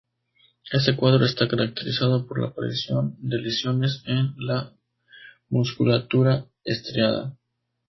Este cuadro está caracterizado por la aparición de lesiones en la musculatura estriada.